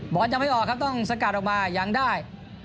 ยังไม่ออกครับต้องสกัดออกมายังได้